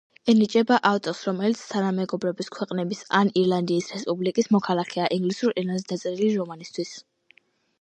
ენიჭება ავტორს, რომელიც თანამეგობრობის ქვეყნების ან ირლანდიის რესპუბლიკის მოქალაქეა, ინგლისურ ენაზე დაწერილი რომანისთვის.